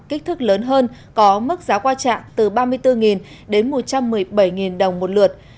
kích thước lớn hơn có mức giá qua trạng từ ba mươi bốn đến một trăm một mươi bảy đồng một lượt